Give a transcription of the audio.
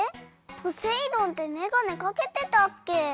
ポセイ丼ってめがねかけてたっけ？